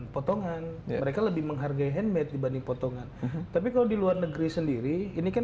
potongan mereka lebih menghargai handmade dibanding potongan tapi kalau di luar negeri sendiri ini kan